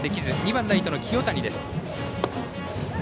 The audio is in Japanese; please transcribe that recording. ２番、ライトの清谷です。